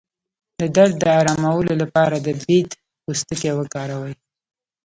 د درد د ارامولو لپاره د بید پوستکی وکاروئ